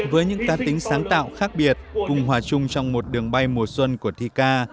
với những cá tính sáng tạo khác biệt cùng hòa chung trong một đường bay mùa xuân của thi ca